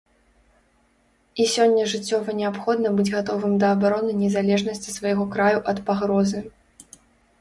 І сёння жыццёва неабходна быць гатовым да абароны незалежнасці свайго краю ад пагрозы.